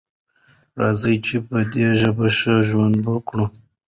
راځئ چې په دې ژبه ښه ژوند وکړو.